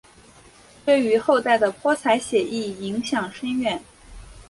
对于后代的泼彩写意影响深远。